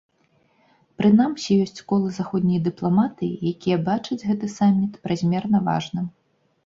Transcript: Прынамсі ёсць колы заходняй дыпламатыі, якія бачаць гэты саміт празмерна важным.